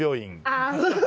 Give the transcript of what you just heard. ああ。